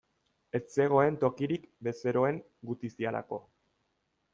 Ez zegoen tokirik bezeroen gutiziarako.